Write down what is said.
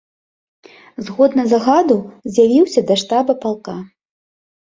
Згодна загаду, з'явіўся да штаба палка.